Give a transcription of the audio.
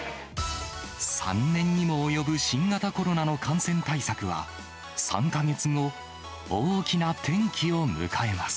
３年にも及ぶ新型コロナの感染対策は、３か月後、大きな転機を迎えます。